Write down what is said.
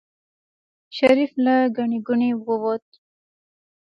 شريف له ګڼې ګوڼې ووت.